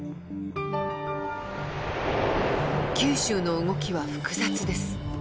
九州の動きは複雑です。